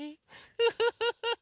フフフフ。